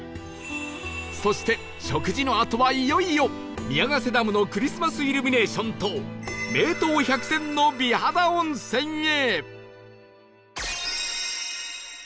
そして食事のあとはいよいよ宮ヶ瀬ダムのクリスマスイルミネーションと名湯百選の美肌温泉へ